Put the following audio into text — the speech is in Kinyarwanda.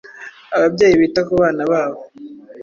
Ababyeyi bita ku bana babo.